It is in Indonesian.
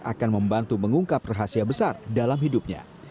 akan membantu mengungkap rahasia besar dalam hidupnya